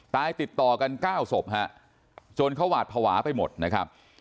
ตายติดต่อกัน๙ศพฮะจนเขาหวาดภาวะไปหมดนะครับ